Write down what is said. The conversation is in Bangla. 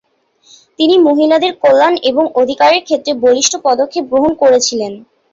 তিনি মহিলাদের কল্যাণ এবং অধিকারের ক্ষেত্রে বলিষ্ঠ পদক্ষেপ গ্রহণ করেছিলেন।